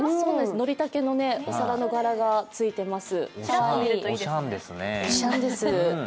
ノリタケのお皿の柄がついています。